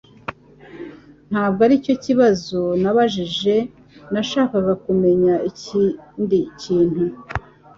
Ntabwo aricyo kibazo nabajije. Nashakaga kumenya ikindi kintu.